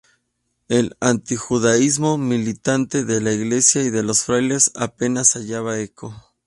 El antijudaísmo militante de la Iglesia y de los frailes apenas hallaba eco.